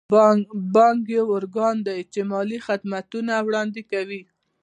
بانک یو ارګان دی چې مالي خدمتونه وړاندې کوي.